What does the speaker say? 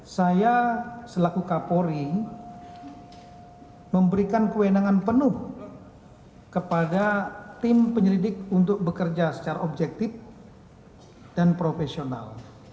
saya selaku kapolri memberikan kewenangan penuh kepada tim penyelidik untuk bekerja secara objektif dan profesional